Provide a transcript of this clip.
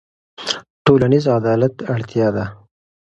ټولنیز عدالت اړتیا ده.